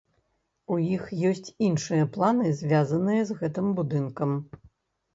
У іх ёсць іншыя планы, звязаныя з гэтым будынкам.